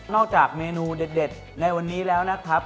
จากเมนูเด็ดในวันนี้แล้วนะครับ